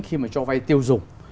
khi mà cho vay tiêu dùng